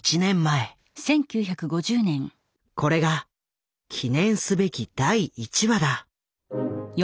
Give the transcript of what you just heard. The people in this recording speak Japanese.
これが記念すべき第１話だ。